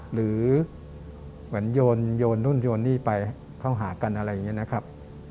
หรือเหมือนโยนนู่นโยนนี่ไปเข้าหากันอะไรอย่างนี้นะครับ